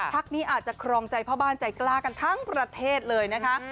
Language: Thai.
พักนี้อาจจะครองใจพ่อบ้านใจกล้ากันทั้งประเทศเลยนะคะ